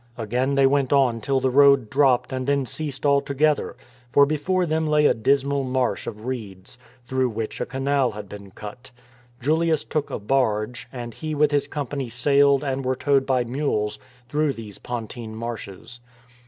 Again they went on till the road dropped and then ceased altogether, for before them lay a dismal marsh of reeds, through which a canal had been cut. Julius took a barge, and he with his company sailed and were towed by mules through these Pontine Marshes.